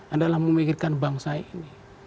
adalah memikirkan bangsa ini